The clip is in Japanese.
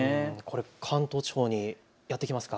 関東地方にやって来ますか？